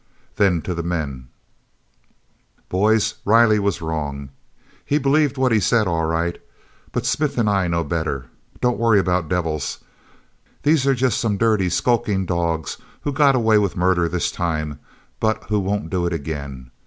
Then to the men: "Boys, Riley was wrong. He believed what he said, all right, but Smith and I know better. Don't worry about devils. These're just some dirty, skulking dogs who got away with murder this time but who won't do it again.